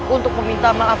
untuk meminta maaf